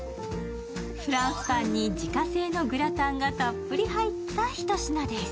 フランスパンに自家製のグラタンがたっぷり入った一品です。